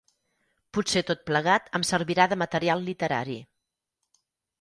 Potser tot plegat em servirà de material literari.